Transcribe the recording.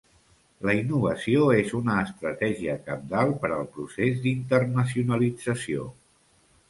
La innovació és una estratègia cabdal per al procés d'internacionalització.